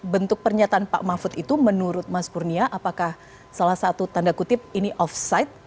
bentuk pernyataan pak mahfud itu menurut mas kurnia apakah salah satu tanda kutip ini offside